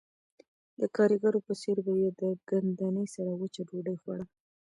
د ګاریګرو په څېر به یې د ګندنې سره وچه ډوډۍ خوړه